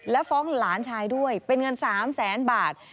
และฟ้องหลานชายด้วยเป็นเงิน๓แสนบาท